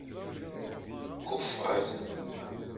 Kuffer.